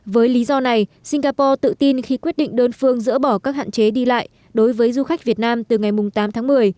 với lý do này singapore tự tin khi quyết định đơn phương dỡ bỏ các hạn chế đi lại đối với du khách việt nam từ ngày tám tháng một mươi